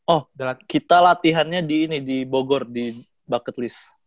oh kita latihannya di bogor di bucket list